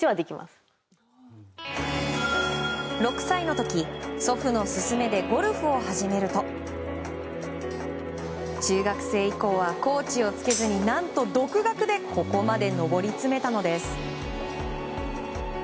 ６歳の時祖父の勧めでゴルフを始めると中学生以降はコーチをつけずに何と独学でここまで上り詰めたのです。